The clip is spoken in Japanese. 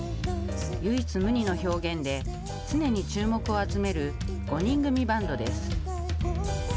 唯一無二の表現で常に注目を集める５人組バントです。